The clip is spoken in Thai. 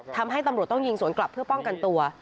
ทำให้ตำรวจต้องยิงสวนกลับเพื่อป้องกันตัว